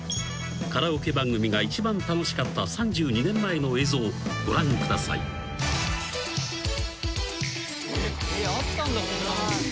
カラオケ番組が一番楽しかった３２年前の映像ご覧ください］あったんだこんなの。